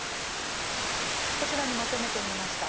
こちらにまとめてみました。